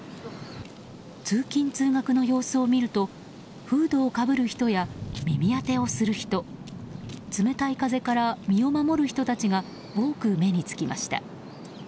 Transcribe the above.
通勤・通学の様子を見るとフードをかぶる人や耳当てをする人冷たい風から身を守る人たちが多く目につきました。